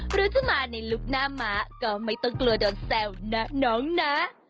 หรือถ้ามาในลุคหน้าม้าก็ไม่ต้องกลัวโดนแซวนะน้องนะ